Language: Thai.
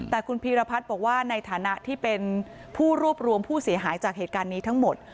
แต่คุณพีรพัฒน์บอกว่าในฐานะที่เป็นผู้รวบรวมผู้เสียหายจากเหตุการณ์นี้ทั้งหมด